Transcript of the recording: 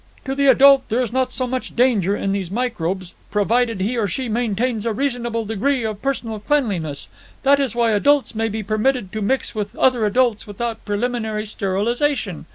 "To the adult there is not so much danger in these microbes, provided he or she maintains a reasonable degree of personal cleanliness. That is why adults may be permitted to mix with other adults without preliminary sterilization.